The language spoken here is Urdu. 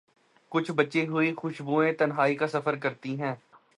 کچھ بچی ہوئی خوشبویں تنہائی کا سفر کرتی ہیں۔